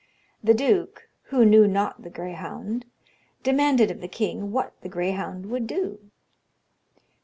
The Duke, who knew not the grayhounde, demanded of the kynge what the grayhounde would do.